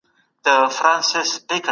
تاسي په خپلو ملګرو باور لرئ.